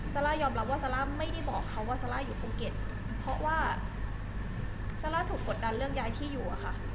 ซาร่ายอมรับว่าซาร่าไม่ได้บอกเขาว่าซาร่าอยู่ภูเก็ตเพราะว่าซาร่าถูกกดดันเรื่องย้ายที่อยู่อะค่ะ